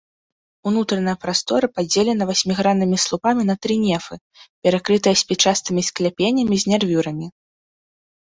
Унутраная прастора падзелена васьміграннымі слупамі на тры нефы, перакрытыя спічастымі скляпеннямі з нервюрамі.